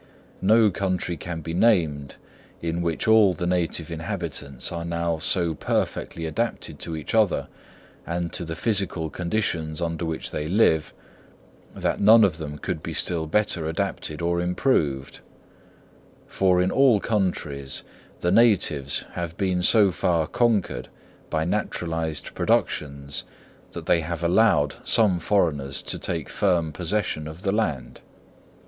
No country can be named in which all the native inhabitants are now so perfectly adapted to each other and to the physical conditions under which they live, that none of them could be still better adapted or improved; for in all countries, the natives have been so far conquered by naturalised productions that they have allowed some foreigners to take firm possession of the land.